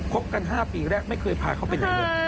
บกัน๕ปีแรกไม่เคยพาเขาไปไหนเลย